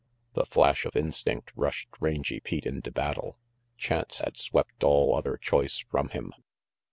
The flash of instinct rushed Rangy Pete into battle. Chance had swept all other choice from him.